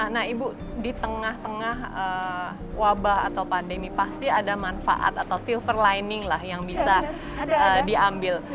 nah ibu di tengah tengah wabah atau pandemi pasti ada manfaat atau silver lining lah yang bisa diambil